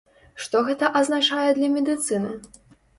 Што гэта азначае для медыцыны?